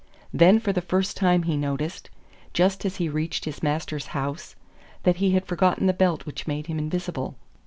Then for the first time he noticed, just as he reached his master's house, that he had forgotten the belt which made him invisible.